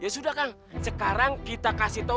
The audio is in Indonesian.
ya sudah kan sekarang kita kasih tau